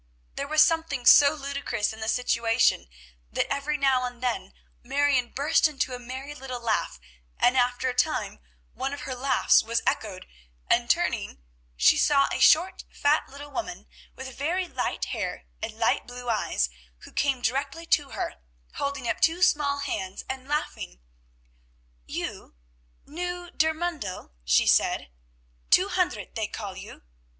There was something so ludicrous in the situation, that every now and then Marion burst into a merry little laugh; and after a time one of her laughs was echoed, and, turning, she saw a short, fat little woman with very light hair, and light blue eyes, who came directly to her, holding up two small hands and laughing. "You, new der Mundel," she said; "Two Hundert they call you.